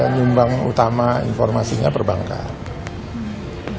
nyumbang utama informasinya perbankan